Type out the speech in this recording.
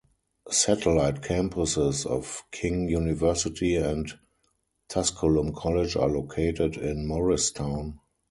Satellite campuses of King University and Tusculum College are located in Morristown.